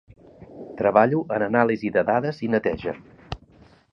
Treballo en anàlisi de dades i neteja.